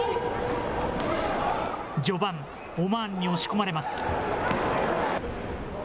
序盤、オマーンに押し込まれます。